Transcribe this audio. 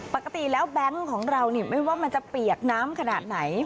ปกติแล้วแบงค์ของเรานี่ไม่ว่ามันจะเปียกน้ำขนาดไหน